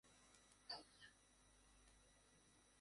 তখন একই রাস্তা একই বছর আবার মেরামত করা সম্ভব হয়ে ওঠে না।